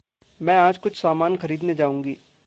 मैं आज कुछ सामान ख़रीदने जाऊँगी।